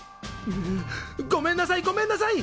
ううごめんなさいごめんなさい！